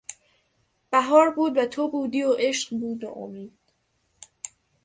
بهار بود و تو بودی و عشق بود و امید...